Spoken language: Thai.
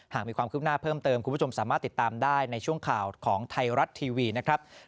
หากมีความคืบหน้าเพิ่มเติมคุณผู้ชมสามารถติดตามได้ในช่วงข่าวของไทยรัฐทีวีนะครับ